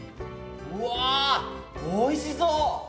うわおいしそう！